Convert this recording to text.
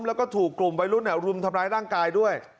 แล้วก็ถูกกลุ่มวัยรุ่นรุมทำร้ายร่างกายด้วย